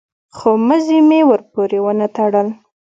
خو مزي مې ورپورې ونه تړل.